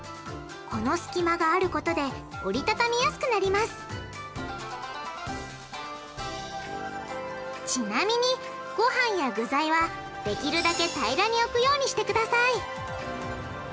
この隙間があることで折り畳みやすくなりますちなみにごはんや具材はできるだけ平らに置くようにしてください